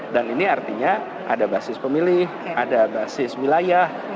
dan ini artinya ada basis pemilih ada basis wilayah